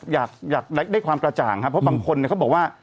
อยากได้ความกระจ่างครับเพราะบางคนเนี่ยเขาบอกว่า